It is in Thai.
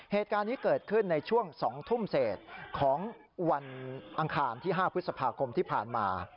เหตุการณ์นี้เกิดขึ้นในช่วง๒ทุ่มเศษของวันอังคารที่๕พฤษภาคมที่ผ่านมา